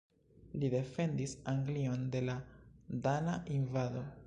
Li defendis Anglion de la dana invado.